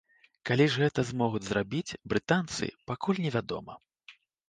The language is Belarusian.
Калі ж гэта змогуць зрабіць брытанцы, пакуль не вядома.